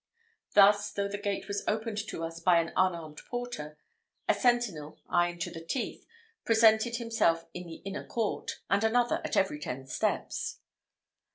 Thus, though the gate was opened to us by an unarmed porter, a sentinel, iron to the teeth, presented himself in the inner court, and another at every ten steps.